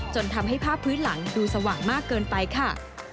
จนทำให้ภาพพื้นหลังดูสว่างมากเกินไปค่ะ